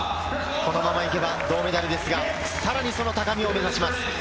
このまま行けば銅メダルですが、さらに、その高みを目指します。